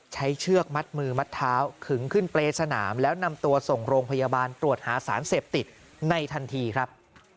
เชือกมัดมือมัดเท้าขึงขึ้นเปรย์สนามแล้วนำตัวส่งโรงพยาบาลตรวจหาสารเสพติดในทันทีครับ